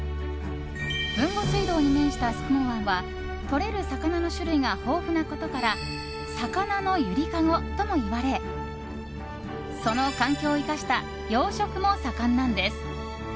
豊後水道に面した宿毛湾はとれる魚の種類が豊富なことから魚のゆりかごともいわれその環境を生かした養殖も盛んなんです。